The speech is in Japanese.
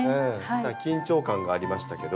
だから緊張感がありましたけど。